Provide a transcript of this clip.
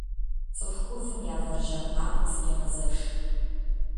Цӏыху ӏувым я вэржьэр макъым срегъэзэш.